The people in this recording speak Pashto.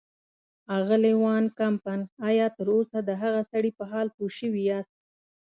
اغلې وان کمپن، ایا تراوسه د هغه سړي په حال پوه شوي یاست.